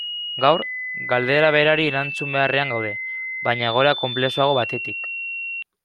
Gaur, galdera berari erantzun beharrean gaude, baina egoera konplexuago batetik.